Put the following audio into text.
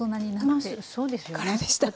まあそうですよね。